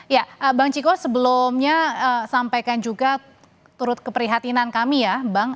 ya bang ciko sebelumnya sampaikan juga turut keprihatinan kami ya bang